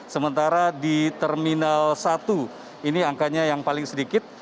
sementara di terminal satu ini angkanya yang paling sedikit